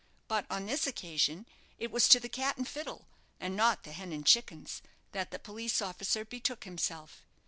But on this occasion it was to the "Cat and Fiddle," and not the "Hen and Chickens," that the police officer betook himself.